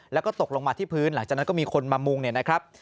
แล้วก็ตกลงมาที่พื้นหลังจากนั้นก็มีคนมามุงเนี่ยนะครับ